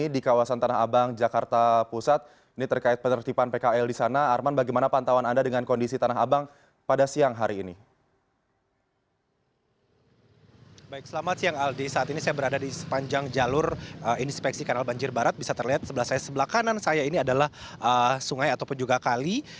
di sebelah kiri saya ini adalah sungai atau pun juga kali